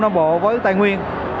nam bộ với tài nguyên